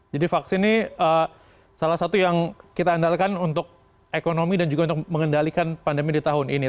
jadi vaksin ini salah satu yang kita andalkan untuk ekonomi dan juga untuk mengendalikan pandemi di tahun ini